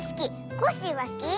コッシーはすき？